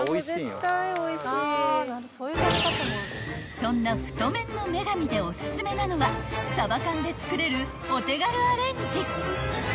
［そんな太麺の麺神でおすすめなのは鯖缶で作れるお手軽アレンジ］